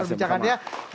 oke terima kasih pak bambang